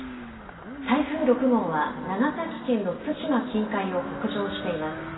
台風６号は長崎県の対馬近海を北上しています。